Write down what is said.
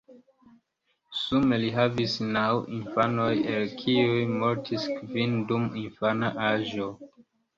Sume li havis naŭ infanoj el kiuj mortis kvin dum infana aĝo.